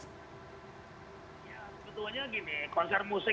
ketua nya gini konser musik